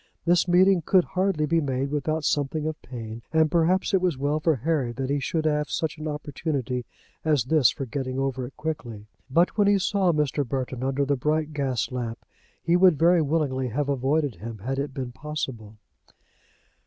This meeting could hardly be made without something of pain, and perhaps it was well for Harry that he should have such an opportunity as this for getting over it quickly. But when he saw Mr. Burton under the bright gas lamp he would very willingly have avoided him, had it been possible.